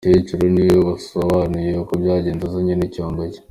Umukecuru ni we wasobanuye uko byagenze azanye n’icyombo cye.